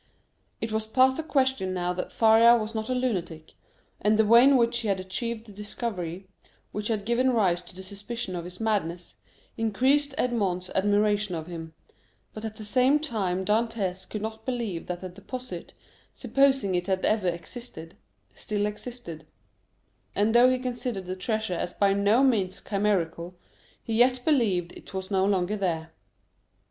It was past a question now that Faria was not a lunatic, and the way in which he had achieved the discovery, which had given rise to the suspicion of his madness, increased Edmond's admiration of him; but at the same time Dantès could not believe that the deposit, supposing it had ever existed, still existed; and though he considered the treasure as by no means chimerical, he yet believed it was no longer there.